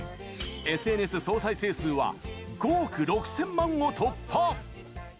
ＳＮＳ総再生数は５億６０００万を突破！